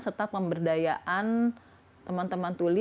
serta pemberdayaan teman teman tuli